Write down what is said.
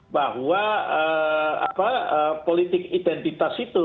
bahwa politik identitas itu